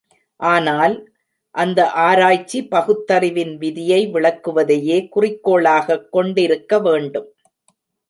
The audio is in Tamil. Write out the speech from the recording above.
ஆனால், அந்த ஆராய்ச்சி பகுத்தறிவின் விதியை விளக்குவதையே குறிக்கோளாகக் கொண்டிருக்க வேண்டும்.